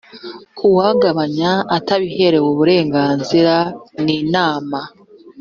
kuwugabanya atabiherewe uburenganzira n inama